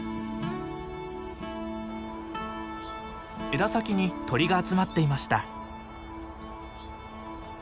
枝先に鳥が集まっていました。